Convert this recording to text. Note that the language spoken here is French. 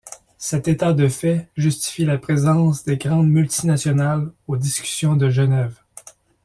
Cet état de fait justife la présence des grandes multinationales aux discussions de Genève.